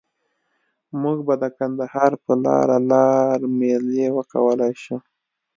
مونږ به د کندهار په لاره لار میله وکولای شو.